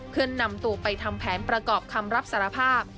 เพื่อนำตัวไปทำแผนประกอบคำรับสารภาพ